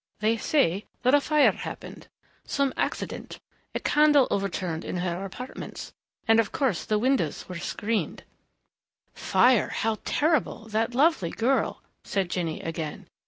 "They say that fire happened. Some accident a candle overturned in her apartments. And of course the windows were screened " "Fire how terrible! That lovely girl," said Jinny again.